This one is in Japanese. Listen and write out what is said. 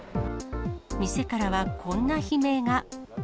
店からはこんな悲鳴が。